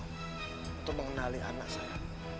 untuk mengenali anak saya